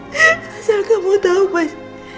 masalah kamu tau mas